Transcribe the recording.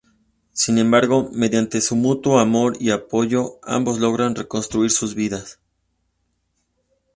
Sin embargo, mediante su mutuo amor y apoyo ambos logran reconstruir sus vidas.